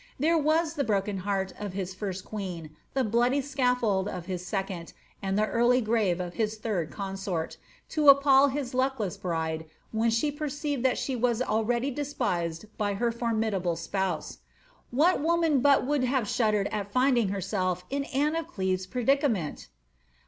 There was Uie broken heart of his first queen, the bloody scaffold of his second, and the early giave of his third consort, to appal his luckless bride, when she perceived that she was already despised by her fonnidable spouse. What woman but would have shuddered at iiuding herself in Anne of Cleves' predi cament